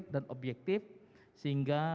dan objektif sehingga